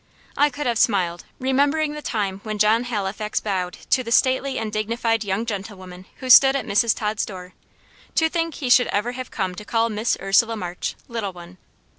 I could have smiled, remembering the time when John Halifax bowed to the stately and dignified young gentlewoman who stood at Mrs. Tod's door. To think he should ever have come to call Miss Ursula March "little one!"